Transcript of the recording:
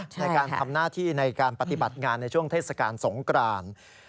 ในการทำหน้าที่ในการปฏิบัติงานในช่วงเทศกาลสงกราน